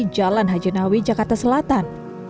jalan hajenawi jakarta selatan